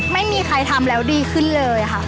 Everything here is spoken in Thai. ไม่มีใครทำแล้วดีขึ้นเลยค่ะ